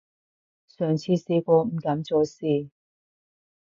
上次試過，唔敢再試